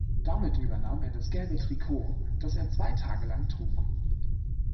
Damit übernahm er das Gelbe Trikot, das er zwei Tage lang trug.